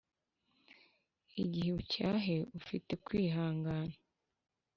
Igihe ucyahe ufite kwihangana.